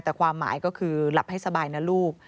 แต่ความหมายก็คือหลับให้สบายนะลูก